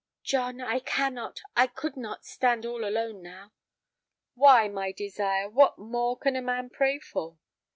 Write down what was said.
"John, I cannot, I could not, stand all alone now." "Why, my desire, what more can a man pray for!"